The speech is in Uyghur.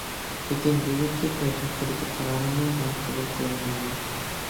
لېكىن، بۈگۈنكى توي ھەققىدىكى قارارىڭنى مەن قوبۇل قىلالمايمەن.